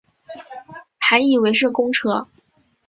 还以为是公车